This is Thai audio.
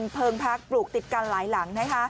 เพลิงพักปลูกติดกันหลายหลัง